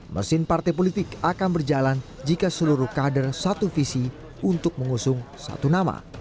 mesin partai politik akan berjalan jika seluruh kader satu visi untuk mengusung satu nama